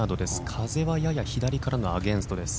風はやや左からのアゲンストです。